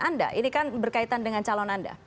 anda ini kan berkaitan dengan calon anda